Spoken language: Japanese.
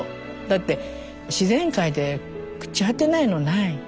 だって自然界で朽ち果てないのない。